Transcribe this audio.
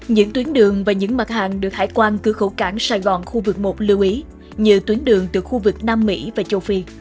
những tuyến đường và những mặt hàng được hải quan cửa khẩu cảng sài gòn khu vực một lưu ý như tuyến đường từ khu vực nam mỹ và châu phi